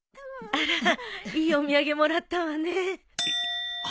あらいいお土産もらったわねえ。